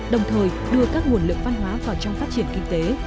đồng thời đưa các nguồn lực văn hóa vào trong phát triển kinh tế